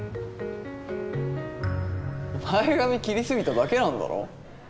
前髪切りすぎただけなんだろ。